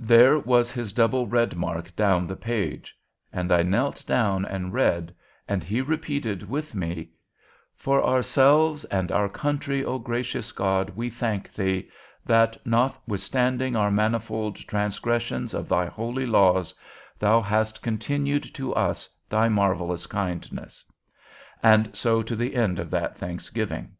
There was his double red mark down the page; and I knelt down and read, and he repeated with me, 'For ourselves and our country, O gracious God, we thank These, that, notwithstanding our manifold transgressions of Thy holy laws, Thou hast continued to us Thy marvellous kindness,' and so to the end of that thanksgiving.